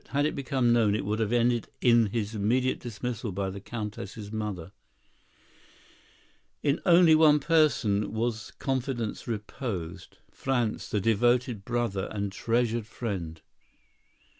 Had it become known, it would have ended in his immediate dismissal by the Countess' mother. In only one person was confidence reposed, Franz, the devoted brother and treasured friend.